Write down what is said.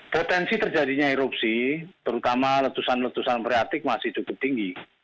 potensi terjadinya erupsi terutama letusan letusan priatik masih cukup tinggi